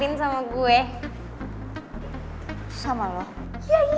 biasa penguin sudah knows ya di audit